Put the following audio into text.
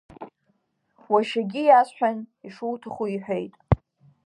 Уашьагьы иасҳәан, ишуҭаху иҳәеит.